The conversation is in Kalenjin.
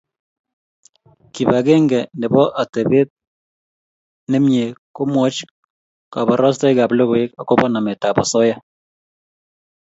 Kibagenge nebo atebet nemie komwoch koborostoikab logoiwek agobo nametab osoya